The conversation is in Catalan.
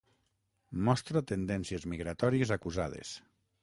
Mostra tendències migratòries acusades.